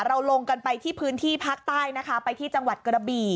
ลงกันไปที่พื้นที่ภาคใต้นะคะไปที่จังหวัดกระบี่